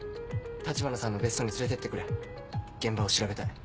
橘さんの別荘に連れてってくれ現場を調べたい。